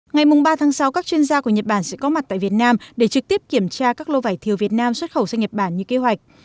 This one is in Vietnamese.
ngày ba sáu các chuyên gia của nhật bản sẽ có mặt tại việt nam để trực tiếp kiểm tra các lô vải thiều việt nam xuất khẩu sang nhật bản như kế hoạch